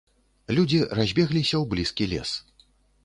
Людзі разбегліся ў блізкі лес.